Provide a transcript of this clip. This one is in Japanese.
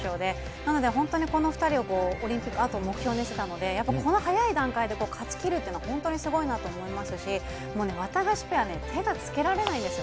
なので本当にこの２人をオリンピックのあとの目標でしたので、やっぱりこの早い段階で勝ちきるというのは本当にすごいなと思いましたし、ワタガシペア、手がつけられないんですよ。